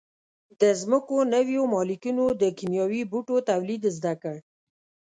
د ځمکو نویو مالکینو د کیمیاوي بوټو تولید زده کړ.